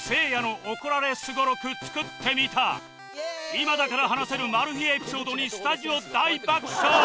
今だから話せるマル秘エピソードにスタジオ大爆笑！